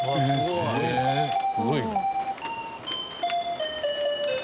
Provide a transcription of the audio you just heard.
すごいな。